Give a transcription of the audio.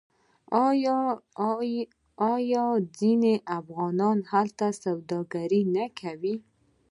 آیا ځینې افغانان هلته سوداګري نه کوي؟